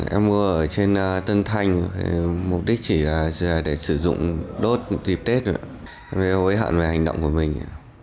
em mua ở trên tân thanh mục đích chỉ là để sử dụng đốt dịp tết nữa em hối hận về hành động của mình